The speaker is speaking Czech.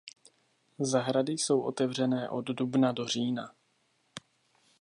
Zahrady jsou otevřené od dubna do října.